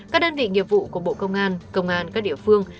các đơn vị nghiệp vụ của bộ công an công an các địa phương